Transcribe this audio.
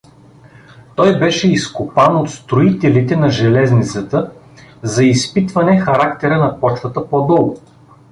Той беше изкопан от строителите на железницата за изпитване характера на почвата по-долу.